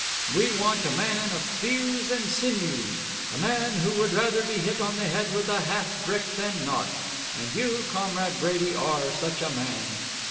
We want a man of thews and sinews, a man who would rather be hit on the head with a half brick than not. And you, Comrade Brady, are such a man."